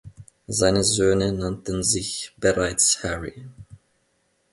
Seine Söhne nannten sich bereits Harry.